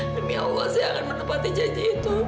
demi allah saya akan menepati janji itu